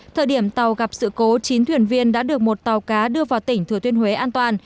thời điểm tàu gặp sự cố chín thuyền viên đã được một tàu cá đưa vào tỉnh thừa thiên huế an toàn